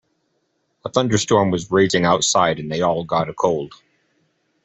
A thunderstorm was raging outside and they all got a cold.